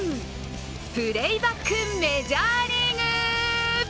プレイバックメジャーリーグ！